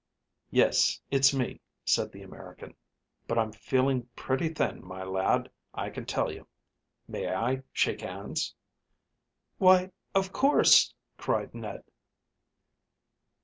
"Yes, it's me," said the American, "but I'm feeling pretty thin, my lad, I can tell you. May I shake hands?" "Why, of course!" cried Ned.